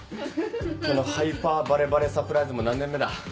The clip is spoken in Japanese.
このハイパーバレバレサプライズも何年目だ？